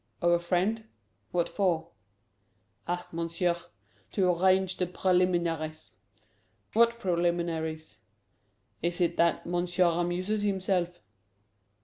"Of a friend? What for?" "Ah, Monsieur to arrange the preliminaries!" "What preliminaries?" "Is it that Monsieur amuses himself?"